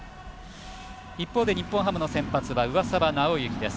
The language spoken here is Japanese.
一方で日本ハムの先発は上沢直之です。